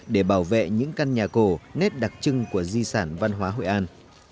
để bảo vệ những căn nhà cổ nét đặc trưng của di sản văn hóa hội an